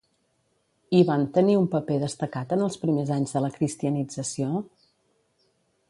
I van tenir un paper destacat en els primers anys de la cristianització?